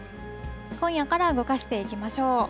今夜から動かしていきましょう。